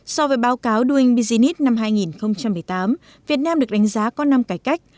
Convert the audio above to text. so với báo cáo doing business năm hai nghìn một mươi tám việt nam được đánh giá có năm cải cách